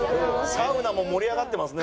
サウナも盛り上がってますね。